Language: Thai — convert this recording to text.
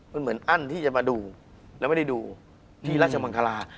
มันเหมือนอั้นที่จะมาดูแล้วไม่ได้ดูที่ราชมังคลา